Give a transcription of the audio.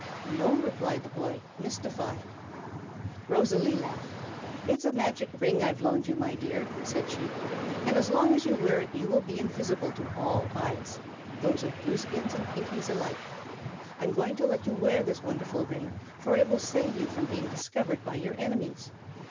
"No," replied the boy, mystified. Rosalie laughed. "It's a magic ring I've loaned you, my dear," said she, "and as long as you wear it you will be invisible to all eyes those of Blueskins and Pinkies alike. I'm going to let you wear this wonderful ring, for it will save you from being discovered by your enemies.